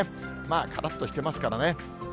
からっとしてますからね。